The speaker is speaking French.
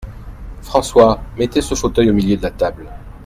François, mettez ce fauteuil au milieu de la table…